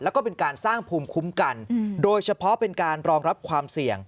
แล้วก็เป็นการสร้างภูมิคุ้มกันโดยเฉพาะเป็นการรองรับความเสี่ยง